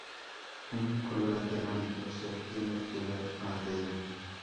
Un colorante amarillo se obtiene de la madera.